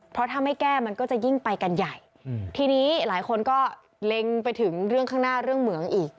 เพราะถ้าไม่แก้มันก็จะยิ่งไปกันใหญ่ทีนี้หลายคนก็เล็งไปถึงเรื่องข้างหน้าเรื่องเหมืองอีก